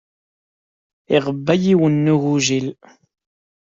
Iṛebba yiwen n ugujil.